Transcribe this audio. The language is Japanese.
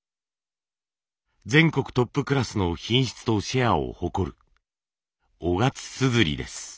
全国トップクラスの品質とシェアを誇る雄勝硯です。